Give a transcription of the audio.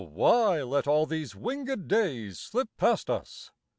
why let all these wingèd days slip past us!